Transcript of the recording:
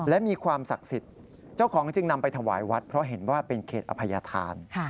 และมีความศักดิ์สิทธิ์เจ้าของจึงนำไปถวายวัดเพราะเห็นว่าเป็นเขตอภัยธาน